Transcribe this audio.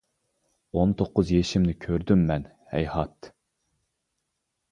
ئون توققۇز يېشىمنى كۆردۈممەن ھەيھات!